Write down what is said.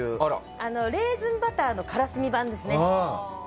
レーズンバターのからすみ版ですね。